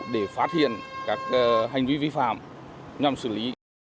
để phát hiện các hành vi vi phạm nhằm xử lý